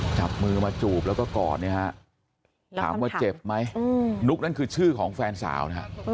จับมือมาจูบแล้วก็กอดเนี่ยฮะถามว่าเจ็บไหมนุ๊กนั่นคือชื่อของแฟนสาวนะฮะ